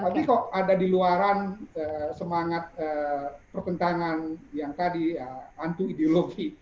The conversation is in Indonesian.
tapi kok ada di luaran semangat perkentangan yang tadi ya hantu ideologi